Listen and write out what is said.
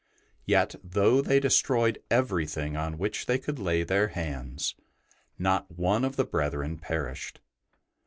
Yet, though they destroyed everything on which they could lay their hands, not one of the brethren perished.